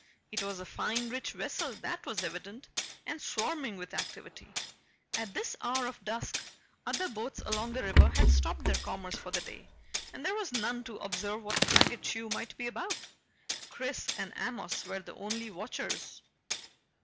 It was a fine, rich vessel, that was evident, and swarming with activity. At this hour of dusk, other boats along the river had stopped their commerce for the day and there were none to observe what Claggett Chew might be about. Chris and Amos were the only watchers.